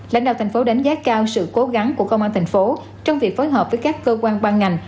lãnh đạo thành phố đánh giá cao sự cố gắng của công an thành phố trong việc phối hợp với các cơ quan ban ngành